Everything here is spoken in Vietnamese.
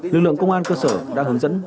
lực lượng công an cơ sở đã hướng dẫn